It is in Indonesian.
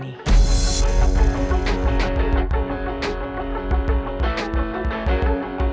ah kayak yuk